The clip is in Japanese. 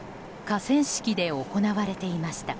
河川敷で行われていました。